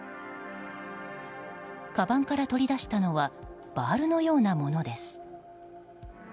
かばんから取り出したのはバールのようなものです。